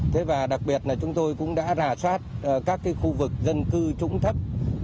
thế và đặc biệt là chúng tôi cũng đã rà soát các khu vực dân cư trũng thấp